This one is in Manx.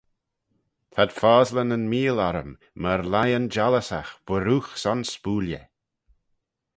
T'ad fosley nyn meeal orrym: myr lion jollyssagh buirroogh son spooilley.